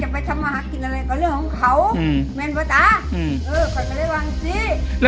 เมื่อมึงชุกกูก่อนนะ